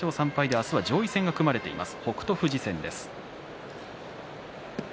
明日は上位戦が組まれています。